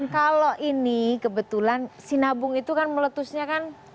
kalau ini kebetulan sinabung itu kan meletusnya kan